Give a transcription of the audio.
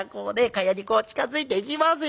蚊帳にこう近づいていきますよ。